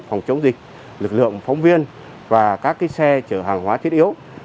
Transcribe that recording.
phòng chống dịch lực lượng phóng viên và các xe chở hàng hóa thiết yếu